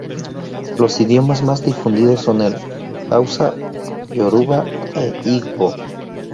Los idiomas más difundidos son el hausa, yoruba e igbo.